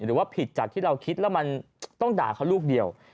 หรือว่าผิดจากที่เราคิดแล้วมันต้องด่าเขาลูกเดียว